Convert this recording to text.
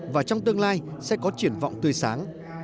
và trong tương lai sẽ có triển vọng tươi sáng